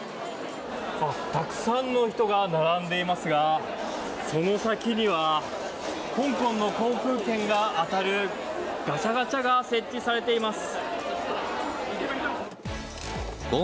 たくさんの人が並んでいますがその先には香港の航空券が当たるガチャガチャが設置されています。